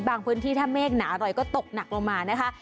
พื้นที่ถ้าเมฆหนาอร่อยก็ตกหนักลงมานะคะ